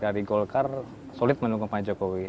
dari golkar solid menunggu pak jokowi